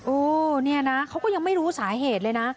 โอ้เนี่ยนะเขาก็ยังไม่รู้สาเหตุเลยนะ